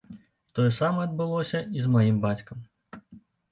Тое самае адбылося і з маім бацькам.